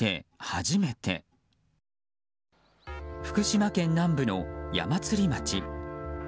福島県南部の矢祭町。